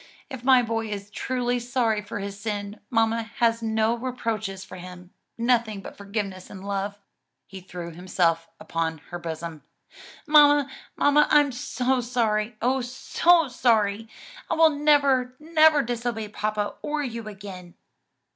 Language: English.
If my boy is truly sorry for his sin, mamma has no reproaches for him: nothing but forgiveness and love." He threw himself upon her bosom, "Mamma, mamma, I am sorry, oh, so sorry! I will never, never disobey papa or you again."